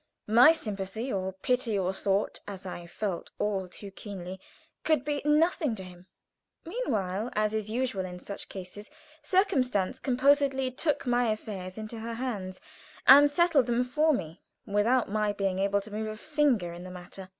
My sympathy or pity or thought as I felt all too keenly could be nothing to him. Meanwhile, as is usual in such cases, circumstance composedly took my affairs into her hands and settled them for me without my being able to move a finger in the matter.